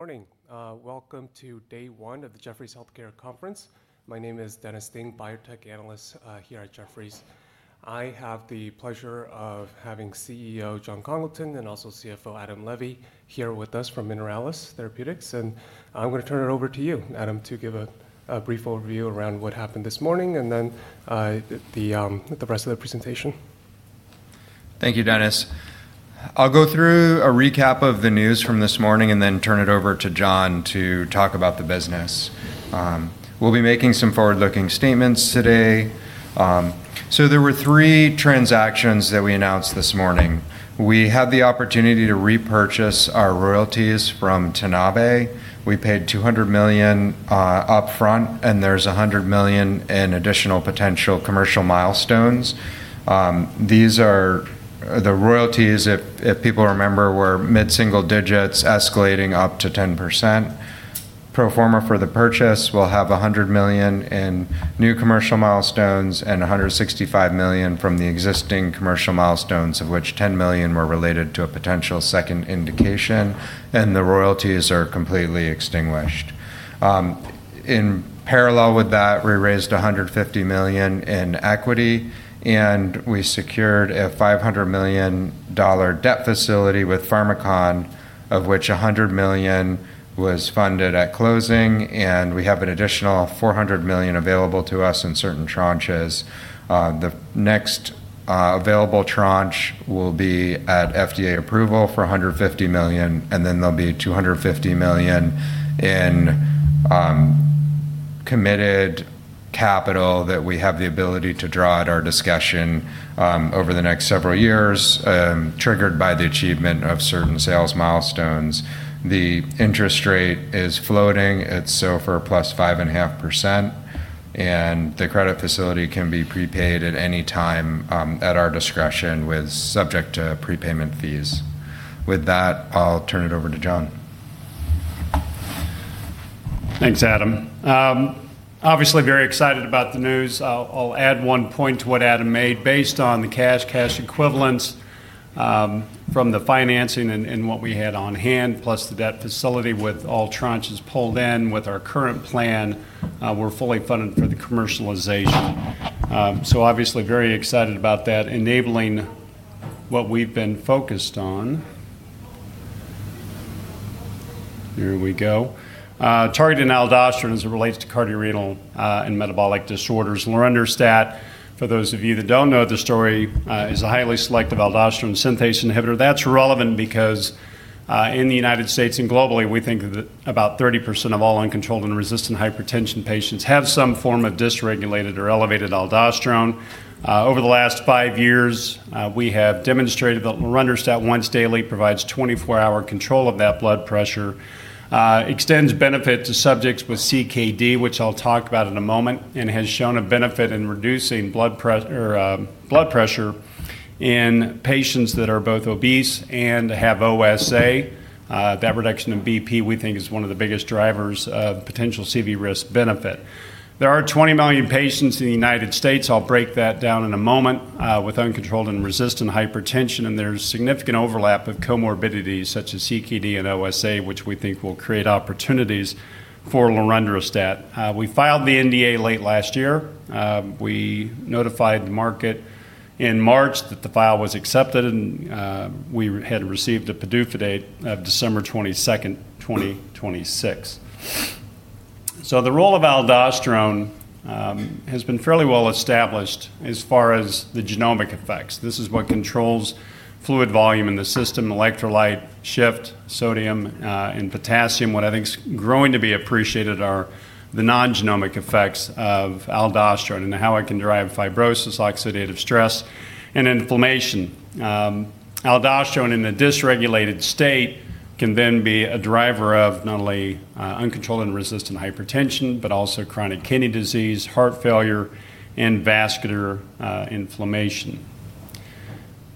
Morning. Welcome to day one of the Jefferies Healthcare Conference. My name is Dennis Ding, Biotech Analyst here at Jefferies. I have the pleasure of having CEO, Jon Congleton, and also CFO, Adam Levy, here with us from Mineralys Therapeutics, and I'm going to turn it over to you, Adam, to give a brief overview around what happened this morning, and then the rest of the presentation. Thank you, Dennis. I'll go through a recap of the news from this morning and then turn it over to Jon to talk about the business. We'll be making some forward-looking statements today. There were three transactions that we announced this morning. We had the opportunity to repurchase our royalties from Tanabe. We paid $200 million upfront, and there's $100 million in additional potential commercial milestones. The royalties, if people remember, were mid-single digits escalating up to 10%. Pro forma for the purchase, we'll have $100 million in new commercial milestones and $165 million from the existing commercial milestones, of which $10 million were related to a potential second indication, and the royalties are completely extinguished. In parallel with that, we raised $150 million in equity, and we secured a $500 million debt facility with Pharmakon, of which $100 million was funded at closing, and we have an additional $400 million available to us in certain tranches. The next available tranche will be at FDA approval for $150 million. There will be $250 million in committed capital that we have the ability to draw at our discretion over the next several years, triggered by the achievement of certain sales milestones. The interest rate is floating at SOFR +5.5%. The credit facility can be prepaid at any time, at our discretion, subject to prepayment fees. With that, I will turn it over to Jon. Thanks, Adam. Obviously very excited about the news. I'll add one point to what Adam made. Based on the cash equivalents from the financing and what we had on hand, plus the debt facility with all tranches pulled in with our current plan, we're fully funded for the commercialization. Obviously very excited about that, enabling what we've been focused on. Here we go. Targeted aldosterone as it relates to cardiorenal and metabolic disorders. lorundrostat, for those of you that don't know the story, is a highly selective aldosterone synthase inhibitor. That's relevant because, in the U.S. and globally, we think that about 30% of all uncontrolled and resistant hypertension patients have some form of dysregulated or elevated aldosterone. Over the last five years, we have demonstrated that lorundrostat once daily provides 24-hour control of that blood pressure, extends benefit to subjects with CKD, which I'll talk about in a moment, and has shown a benefit in reducing blood pressure in patients that are both obese and have OSA. That reduction in BP, we think, is one of the biggest drivers of potential CV risk benefit. There are 20 million patients in the United States, I'll break that down in a moment, with uncontrolled and resistant hypertension, and there's significant overlap of comorbidities such as CKD and OSA, which we think will create opportunities for lorundrostat. We filed the NDA late last year. We notified the market in March that the file was accepted and we had received a PDUFA date of December 22nd, 2026. The role of aldosterone has been fairly well established as far as the genomic effects. This is what controls fluid volume in the system, electrolyte shift, sodium and potassium. What I think is growing to be appreciated are the non-genomic effects of aldosterone and how it can drive fibrosis, oxidative stress, and inflammation. Aldosterone in a dysregulated state can be a driver of not only uncontrolled and resistant hypertension, but also chronic kidney disease, heart failure, and vascular inflammation.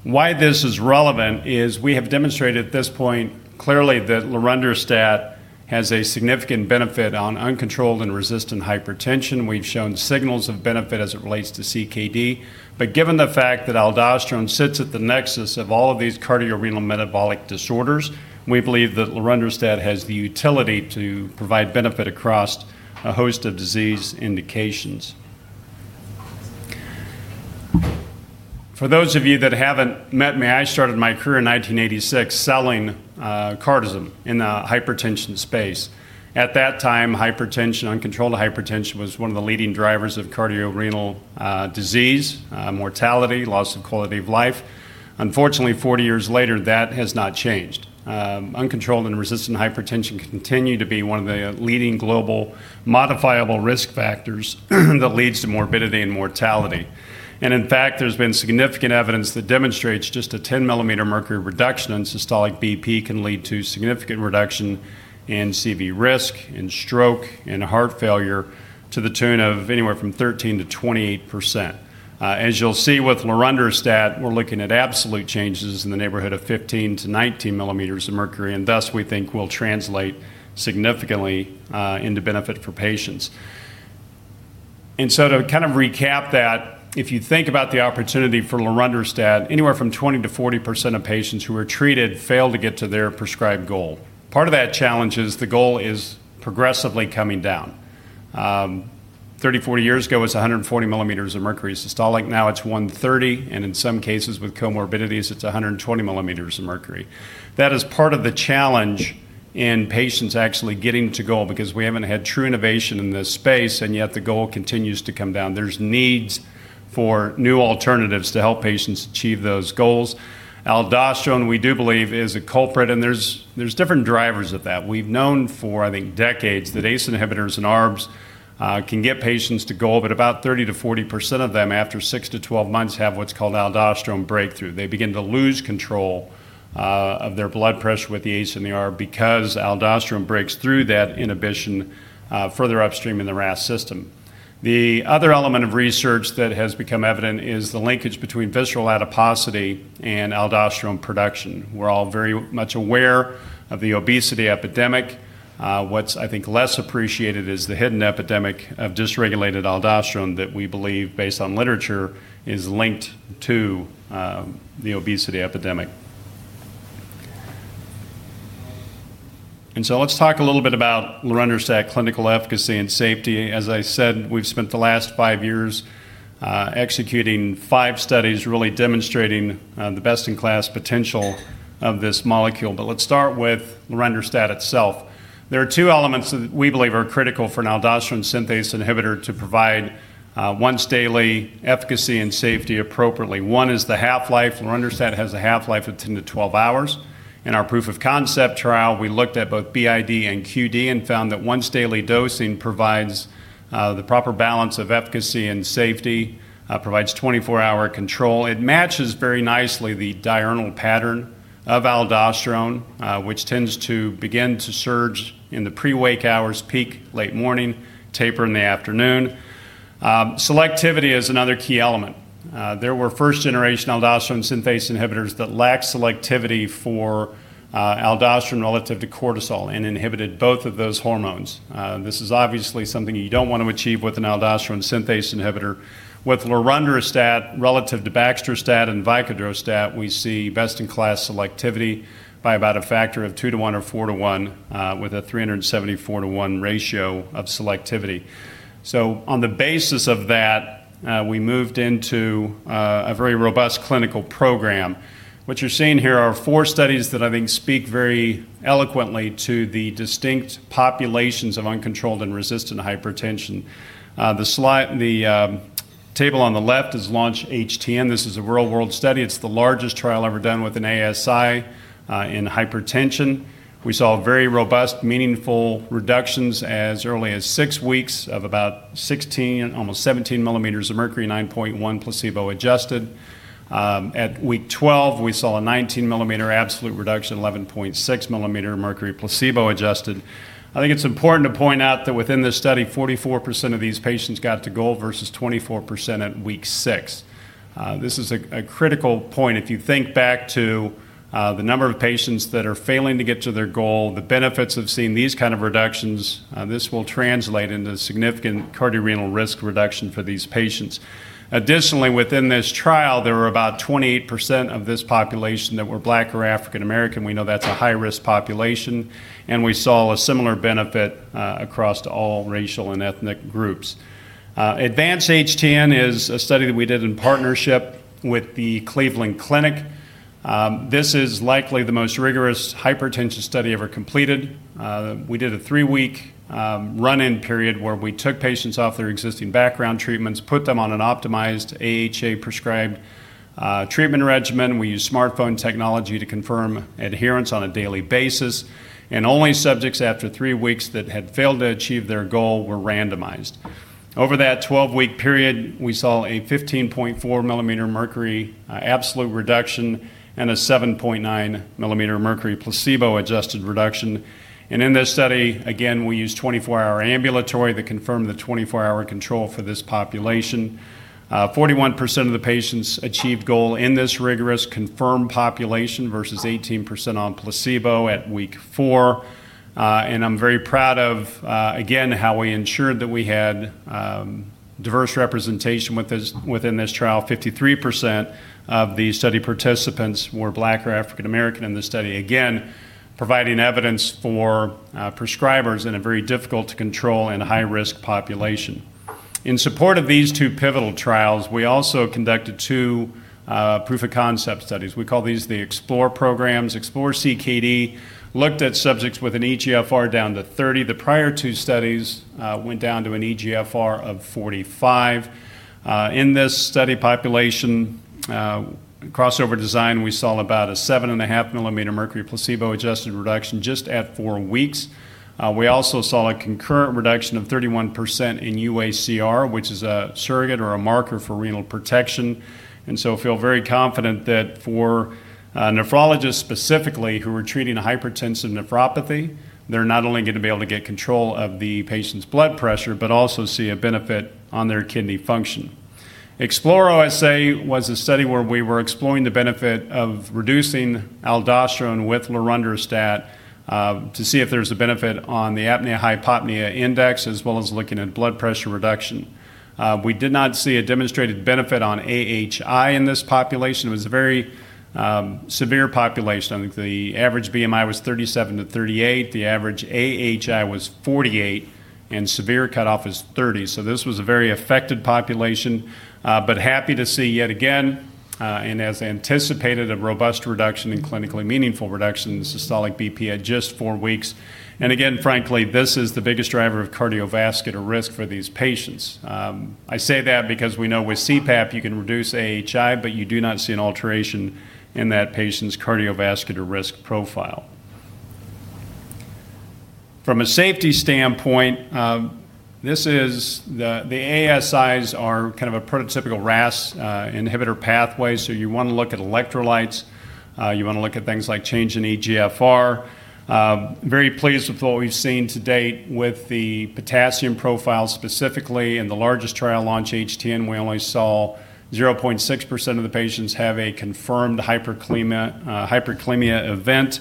Why this is relevant is we have demonstrated at this point clearly that lorundrostat has a significant benefit on uncontrolled and resistant hypertension. We've shown signals of benefit as it relates to CKD. Given the fact that aldosterone sits at the nexus of all of these cardiorenal metabolic disorders, we believe that lorundrostat has the utility to provide benefit across a host of disease indications. For those of you that haven't met me, I started my career in 1986 selling Cardizem in the hypertension space. At that time, hypertension, uncontrolled hypertension, was one of the leading drivers of cardiorenal disease, mortality, loss of quality of life. Unfortunately, 40 years later, that has not changed. Uncontrolled and resistant hypertension continue to be one of the leading global modifiable risk factors that leads to morbidity and mortality. In fact, there's been significant evidence that demonstrates just a 10 mm mercury reduction in systolic BP can lead to significant reduction in CV risk, in stroke, in heart failure, to the tune of anywhere from 13%-28%. As you'll see with lorundrostat, we're looking at absolute changes in the neighborhood of 15-19 mm of mercury, and thus, we think will translate significantly into benefit for patients. To kind of recap that, if you think about the opportunity for lorundrostat, anywhere from 20%-40% of patients who are treated fail to get to their prescribed goal. Part of that challenge is the goal is progressively coming down. 30, 40 years ago, it was 140 mm of mercury systolic. Now it's 130, and in some cases with comorbidities, it's 120 mm of mercury. That is part of the challenge in patients actually getting to goal because we haven't had true innovation in this space, and yet the goal continues to come down. There's needs for new alternatives to help patients achieve those goals. Aldosterone, we do believe, is a culprit, and there's different drivers of that. We've known for, I think, decades that ACE inhibitors and ARBs can get patients to goal, but about 30%-40% of them after 6-12 months have what's called aldosterone breakthrough. They begin to lose control of their blood pressure with the ACE and the ARB because aldosterone breaks through that inhibition further upstream in the RAS system. The other element of research that has become evident is the linkage between visceral adiposity and aldosterone production. We're all very much aware of the obesity epidemic. What's, I think, less appreciated is the hidden epidemic of dysregulated aldosterone that we believe, based on literature, is linked to the obesity epidemic. Let's talk a little bit about lorundrostat clinical efficacy and safety. We've spent the last five years executing five studies really demonstrating the best-in-class potential of this molecule. Let's start with lorundrostat itself. There are two elements that we believe are critical for an aldosterone synthase inhibitor to provide once-daily efficacy and safety appropriately. One is the half-life. lorundrostat has a half-life of 10-12 hours. In our proof of concept trial, we looked at both BID and QD and found that once daily dosing provides the proper balance of efficacy and safety, provides 24-hour control. It matches very nicely the diurnal pattern of aldosterone, which tends to begin to surge in the pre-wake hours, peak late morning, taper in the afternoon. Selectivity is another key element. There were first-generation aldosterone synthase inhibitors that lacked selectivity for aldosterone relative to cortisol and inhibited both of those hormones. This is obviously something you don't want to achieve with an aldosterone synthase inhibitor. With lorundrostat, relative to baxdrostat and osilodrostat, we see best-in-class selectivity by about a factor of two to one or four to one, with a 374 to 1 ratio of selectivity. On the basis of that, we moved into a very robust clinical program. What you're seeing here are four studies that I think speak very eloquently to the distinct populations of uncontrolled and resistant hypertension. The table on the left is LAUNCH-HTN. This is a real-world study. It's the largest trial ever done with an ASI in hypertension. We saw very robust, meaningful reductions as early as six weeks of about 16 mm, almost 17 mm of mercury, 9.1 placebo-adjusted. At week 12, we saw a 19 mm absolute reduction, 11.6 mm of mercury placebo-adjusted. I think it's important to point out that within this study, 44% of these patients got to goal versus 24% at week six. This is a critical point. If you think back to the number of patients that are failing to get to their goal, the benefits of seeing these kind of reductions, this will translate into significant cardiorenal risk reduction for these patients. Additionally, within this trial, there were about 28% of this population that were Black or African American. We know that's a high-risk population, and we saw a similar benefit across all racial and ethnic groups. ADVANCE-HTN is a study that we did in partnership with the Cleveland Clinic. This is likely the most rigorous hypertension study ever completed. We did a three-week run-in period where we took patients off their existing background treatments, put them on an optimized AHA-prescribed treatment regimen. We used smartphone technology to confirm adherence on a daily basis. Only subjects after three weeks that had failed to achieve their goal were randomized. Over that 12-week period, we saw a 15.4 mm mercury absolute reduction and a 7.9 mm mercury placebo-adjusted reduction. In this study, again, we used 24-hour ambulatory to confirm the 24-hour control for this population. 41% of the patients achieved goal in this rigorous confirmed population versus 18% on placebo at week four. I'm very proud of, again, how we ensured that we had diverse representation within this trial. 53% of the study participants were Black or African American in this study. Again, providing evidence for prescribers in a very difficult-to-control and high-risk population. In support of these two pivotal trials, we also conducted two proof of concept studies. We call these the EXPLORE programs. EXPLORE-CKD looked at subjects with an eGFR down to 30. The prior two studies went down to an eGFR of 45. In this study population crossover design, we saw about a 7.5 mm mercury placebo-adjusted reduction just at four weeks. We also saw a concurrent reduction of 31% in UACR, which is a surrogate or a marker for renal protection. Feel very confident that for nephrologists specifically who are treating hypertensive nephropathy, they're not only going to be able to get control of the patient's blood pressure, but also see a benefit on their kidney function. EXPLORE-OSA was a study where we were exploring the benefit of reducing aldosterone with lorundrostat, to see if there's a benefit on the apnea-hypopnea index, as well as looking at blood pressure reduction. We did not see a demonstrated benefit on AHI in this population. It was a very severe population. I think the average BMI was 37-38. The average AHI was 48, and severe cutoff is 30. This was a very affected population. Happy to see, yet again, and as anticipated, a robust reduction and clinically meaningful reduction in systolic BP at just four weeks. Again, frankly, this is the biggest driver of cardiovascular risk for these patients. I say that because we know with CPAP you can reduce AHI, but you do not see an alteration in that patient's cardiovascular risk profile. From a safety standpoint, the ASIs are kind of a prototypical RAS inhibitor pathway, you want to look at electrolytes, you want to look at things like change in eGFR. Very pleased with what we've seen to date with the potassium profile specifically. In the largest trial, LAUNCH-HTN, we only saw 0.6% of the patients have a confirmed hyperkalemia event.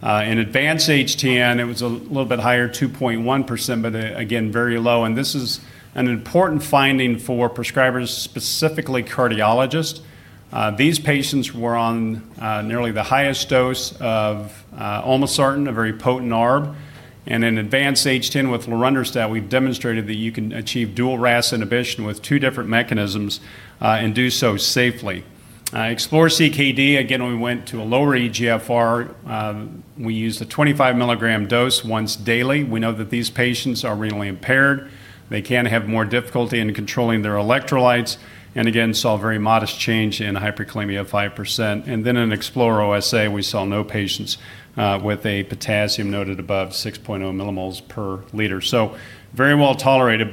In ADVANCE-HTN, it was a little bit higher, 2.1%, but again, very low. This is an important finding for prescribers, specifically cardiologists. These patients were on nearly the highest dose of olmesartan, a very potent ARB. In ADVANCE-HTN with lorundrostat, we've demonstrated that you can achieve dual RAS inhibition with two different mechanisms and do so safely. EXPLORE-CKD, again, we went to a lower eGFR. We used a 25-mg dose once daily. We know that these patients are renally impaired. They can have more difficulty in controlling their electrolytes, and again, saw a very modest change in hyperkalemia of 5%. Then in EXPLORE-OSA, we saw no patients with a potassium noted above 6.0 mml/L. Very well tolerated.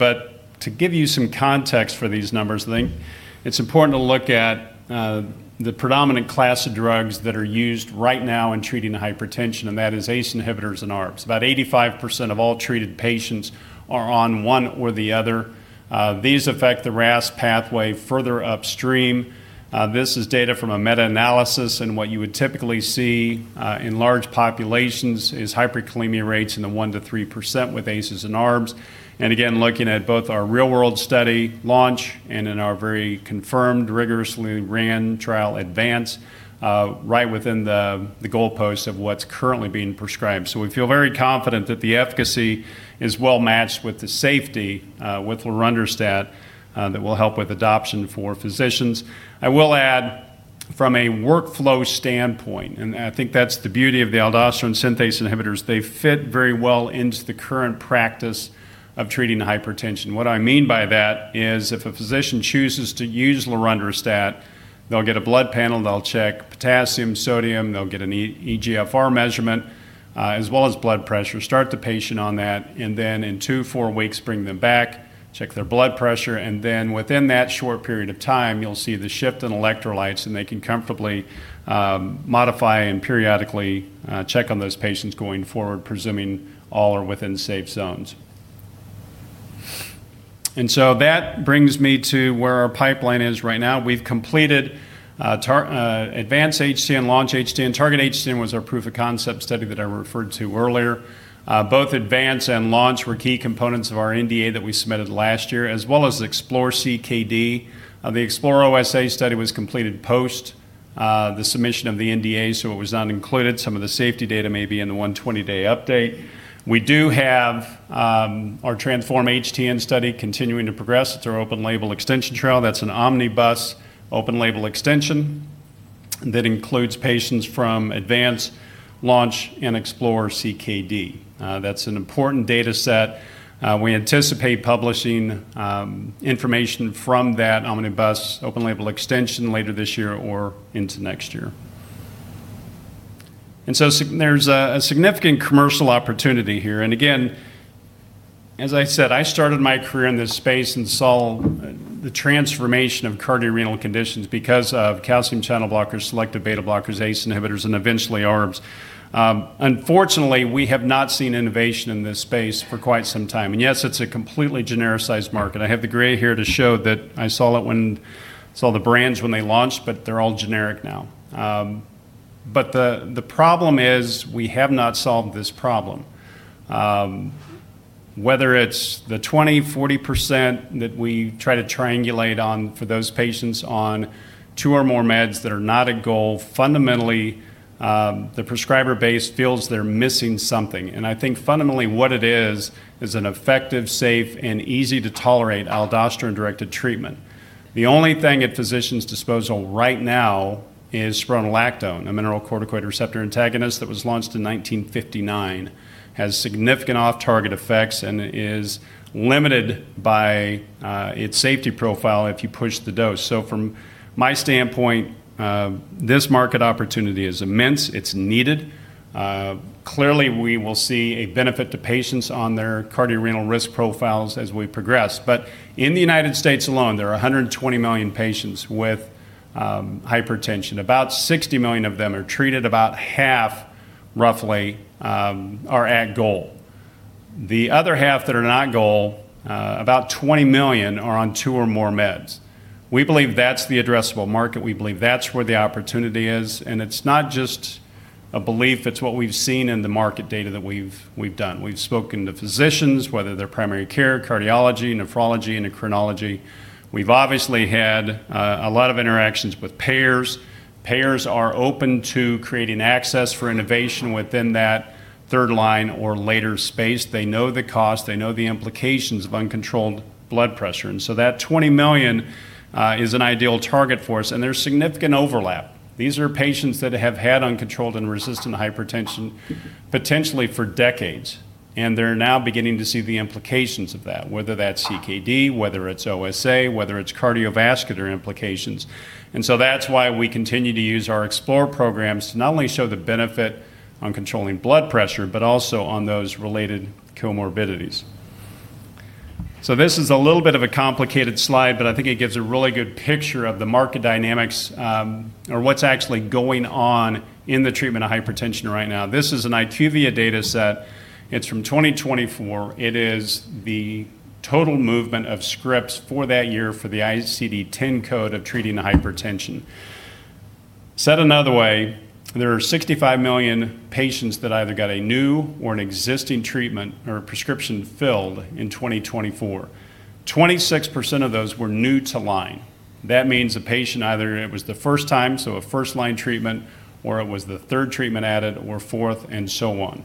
To give you some context for these numbers, I think it's important to look at the predominant class of drugs that are used right now in treating hypertension, and that is ACE inhibitors and ARBs. About 85% of all treated patients are on one or the other. These affect the RAS pathway further upstream. This is data from a meta-analysis, and what you would typically see in large populations is hyperkalemia rates in the 1%-3% with ACEs and ARBs. Again, looking at both our real-world study, LAUNCH, and in our very confirmed, rigorously ran trial, ADVANCE, right within the goalposts of what's currently being prescribed. We feel very confident that the efficacy is well-matched with the safety with lorundrostat that will help with adoption for physicians. I will add from a workflow standpoint, I think that's the beauty of the aldosterone synthase inhibitors, they fit very well into the current practice of treating hypertension. What I mean by that is if a physician chooses to use lorundrostat, they'll get a blood panel. They'll check potassium, sodium. They'll get an eGFR measurement as well as blood pressure. Start the patient on that, then in two to four weeks bring them back, check their blood pressure, then within that short period of time, you'll see the shift in electrolytes they can comfortably modify and periodically check on those patients going forward, presuming all are within safe zones. That brings me to where our pipeline is right now. We've completed ADVANCE-HTN, LAUNCH-HTN. TARGET-HTN was our proof of concept study that I referred to earlier. Both ADVANCE and LAUNCH were key components of our NDA that we submitted last year, as well as the EXPLORE-CKD. The EXPLORE-OSA study was completed post the submission of the NDA, so it was not included. Some of the safety data may be in the 120-day update. We do have our TRANSFORM-HTN study continuing to progress. It's our open label extension trial. That's an omnibus open label extension that includes patients from ADVANCE, LAUNCH, and EXPLORE-CKD. That's an important data set. We anticipate publishing information from that omnibus open label extension later this year or into next year. So there's a significant commercial opportunity here. Again, as I said, I started my career in this space and saw the transformation of cardiorenal conditions because of calcium channel blockers, selective beta blockers, ACE inhibitors, and eventually ARBs. Unfortunately, we have not seen innovation in this space for quite some time. Yes, it's a completely genericized market. I have the gray here to show that I saw the brands when they launched, but they're all generic now. The problem is we have not solved this problem. Whether it's the 20%, 40% that we try to triangulate on for those patients on two or more meds that are not a goal, fundamentally, the prescriber base feels they're missing something. I think fundamentally what it is is an effective, safe, and easy to tolerate aldosterone-directed treatment. The only thing at physicians' disposal right now is spironolactone, a mineralocorticoid receptor antagonist that was launched in 1959, has significant off-target effects, and is limited by its safety profile if you push the dose. From my standpoint, this market opportunity is immense. It's needed. Clearly, we will see a benefit to patients on their cardiorenal risk profiles as we progress. In the U.S. alone, there are 120 million patients with hypertension. About 60 million of them are treated. About half, roughly, are at goal. The other half that are not goal, about 20 million, are on two or more meds. We believe that's the addressable market. We believe that's where the opportunity is. It's not just a belief, it's what we've seen in the market data that we've done. We've spoken to physicians, whether they're primary care, cardiology, nephrology, endocrinology. We've obviously had a lot of interactions with payers. Payers are open to creating access for innovation within that third-line or later space. They know the cost. They know the implications of uncontrolled blood pressure. That 20 million is an ideal target for us, and there's significant overlap. These are patients that have had uncontrolled and resistant hypertension, potentially for decades. They're now beginning to see the implications of that, whether that's CKD, whether it's OSA, whether it's cardiovascular implications. That's why we continue to use our EXPLORE programs to not only show the benefit on controlling blood pressure, but also on those related comorbidities. This is a little bit of a complicated slide, but I think it gives a really good picture of the market dynamics, or what's actually going on in the treatment of hypertension right now. This is an IQVIA data set. It's from 2024. It is the total movement of scripts for that year for the ICD-10 code of treating hypertension. Said another way, there are 65 million patients that either got a new or an existing treatment or prescription filled in 2024. 26% of those were new to line. That means a patient, either it was the first time, so a first-line treatment, or it was the third treatment added, or fourth, and so on.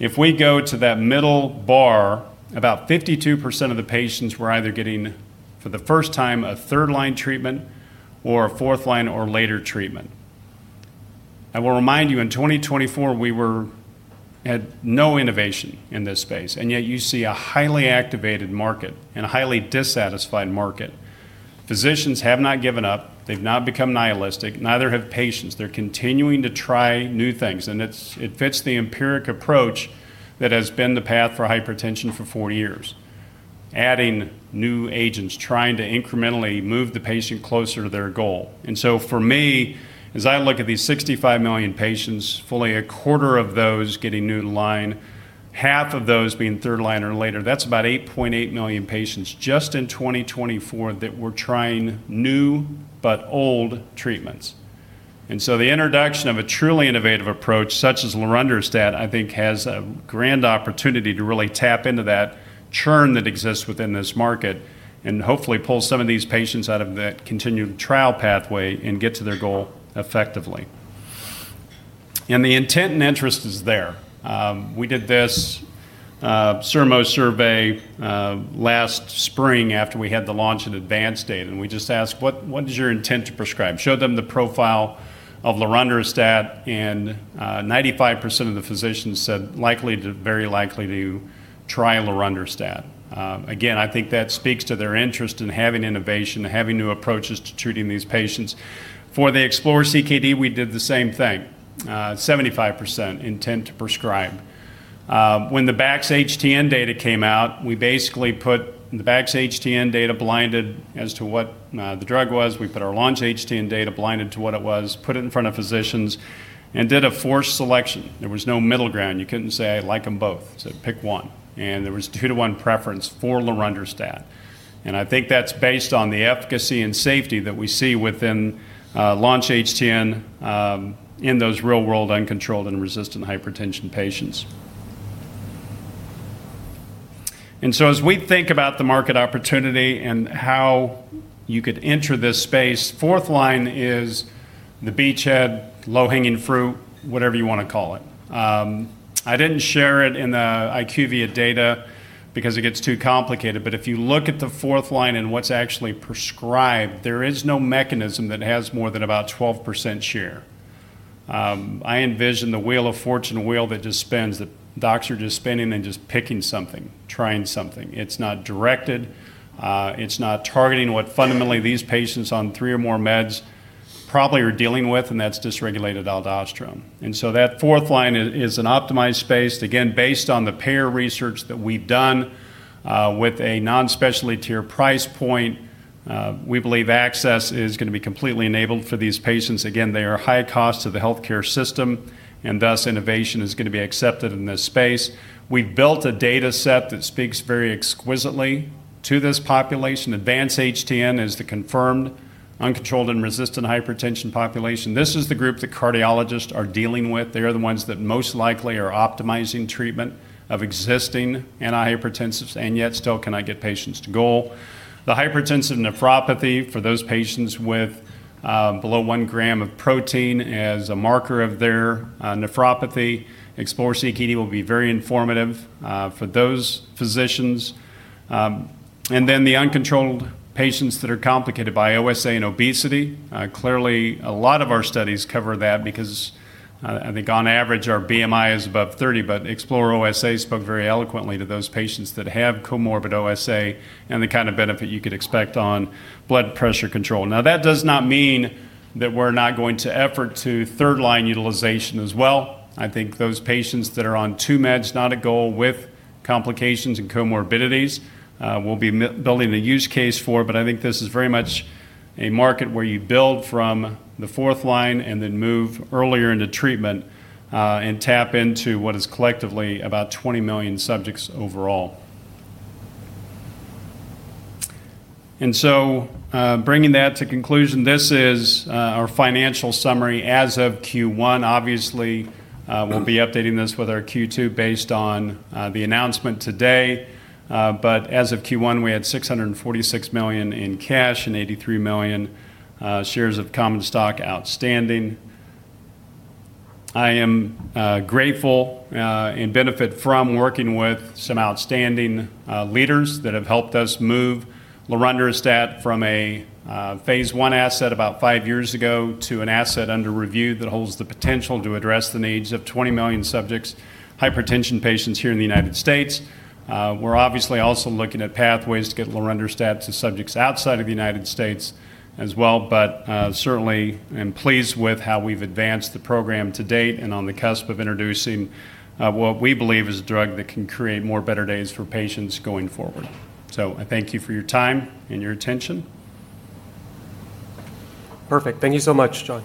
If we go to that middle bar, about 52% of the patients were either getting, for the first time, a third-line treatment or a fourth-line or later treatment. I will remind you, in 2024, we had no innovation in this space, and yet you see a highly activated market and a highly dissatisfied market. Physicians have not given up. They've not become nihilistic. Neither have patients. They're continuing to try new things, and it fits the empiric approach that has been the path for hypertension for 40 years. Adding new agents, trying to incrementally move the patient closer to their goal. For me, as I look at these 65 million patients, fully a quarter of those getting new to line, half of those being third line or later, that's about 8.8 million patients just in 2024 that were trying new but old treatments. The introduction of a truly innovative approach such as lorundrostat, I think, has a grand opportunity to really tap into that churn that exists within this market and hopefully pull some of these patients out of that continued trial pathway and get to their goal effectively. The intent and interest is there. We did this Sermo survey last spring after we had the LAUNCH-HTN and ADVANCE-HTN data, we just asked, "What is your intent to prescribe?" Show them the profile of lorundrostat, 95% of the physicians said likely to very likely to try lorundrostat. Again, I think that speaks to their interest in having innovation, having new approaches to treating these patients. For the EXPLORE-CKD, we did the same thing. 75% intent to prescribe. When the BaxHTN data came out, we basically put the BaxHTN data blinded as to what the drug was. We put our LAUNCH-HTN data blinded to what it was, put it in front of physicians, and did a forced selection. There was no middle ground. You couldn't say, "I like them both." Said, "Pick one." There was two-to-one preference for lorundrostat. I think that's based on the efficacy and safety that we see within LAUNCH-HTN in those real-world uncontrolled and resistant hypertension patients. As we think about the market opportunity and how you could enter this space, fourth line is the beachhead, low-hanging fruit, whatever you want to call it. I didn't share it in the IQVIA data because it gets too complicated, but if you look at the fourth line and what's actually prescribed, there is no mechanism that has more than about 12% share. I envision the Wheel of Fortune wheel that just spins, the docs are just spinning and just picking something, trying something. It's not directed. It's not targeting what fundamentally these patients on three or more meds probably are dealing with, and that's dysregulated aldosterone. That fourth line is an optimized space, again, based on the payer research that we've done with a non-specialty tier price point. We believe access is going to be completely enabled for these patients. Again, they are high cost to the healthcare system, and thus, innovation is going to be accepted in this space. We've built a data set that speaks very exquisitely to this population. ADVANCE-HTN is the confirmed uncontrolled and resistant hypertension population. This is the group that cardiologists are dealing with. They are the ones that most likely are optimizing treatment of existing antihypertensives, and yet still cannot get patients to goal. The hypertensive nephropathy for those patients with below one gram of protein as a marker of their nephropathy. EXPLORE-CKD will be very informative for those physicians. The uncontrolled patients that are complicated by OSA and obesity. Clearly, a lot of our studies cover that because I think on average, our BMI is above 30, but EXPLORE-OSA spoke very eloquently to those patients that have comorbid OSA and the kind of benefit you could expect on blood pressure control. Now, that does not mean that we're not going to effort to third line utilization as well. I think those patients that are on two meds, not a goal, with complications and comorbidities, we'll be building the use case for, but I think this is very much a market where you build from the fourth line and then move earlier into treatment, and tap into what is collectively about 20 million subjects overall. Bringing that to conclusion, this is our financial summary as of Q1. Obviously, we'll be updating this with our Q2, based on the announcement today. As of Q1, we had $646 million in cash and 83 million shares of common stock outstanding. I am grateful and benefit from working with some outstanding leaders that have helped us move lorundrostat from a phase I asset about five years ago to an asset under review that holds the potential to address the needs of 20 million subjects, hypertension patients here in the U.S. We're obviously also looking at pathways to get lorundrostat to subjects outside of the U.S. as well. Certainly am pleased with how we've advanced the program to date and on the cusp of introducing what we believe is a drug that can create more better days for patients going forward. I thank you for your time and your attention. Perfect. Thank you so much, Jon.